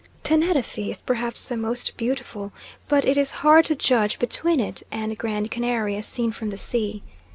Teneriffe is perhaps the most beautiful, but it is hard to judge between it and Grand Canary as seen from the sea.